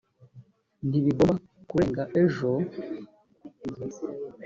ntibigomba kurenga ejo